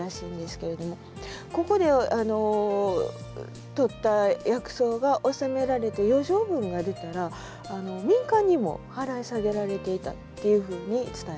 ここでとった薬草が納められて余剰分が出たら民間にも払い下げられていたっていうふうに伝えられてます。